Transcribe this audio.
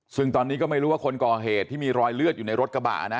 ซึ่งตอนนี้ก็ไม่รู้ว่าคนก่อเหตุที่มีรอยเลือดอยู่ในรถกระบะนะ